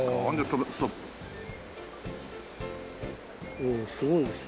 おおすごいですよ。